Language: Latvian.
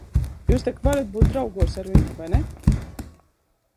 Jūs tak varat būt draugos ar viņu, vai ne?